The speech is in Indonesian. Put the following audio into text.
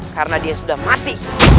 karena dia sudah mati